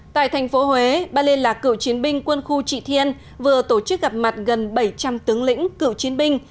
tại thành phố huế ban liên lạc cựu chiến binh quân khu trị thiên vừa tổ chức gặp mặt gần bảy trăm linh tướng lĩnh cựu chiến binh